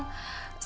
saya harus pergi